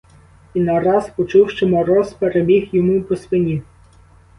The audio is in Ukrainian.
І нараз почув, що мороз перебіг йому по спині.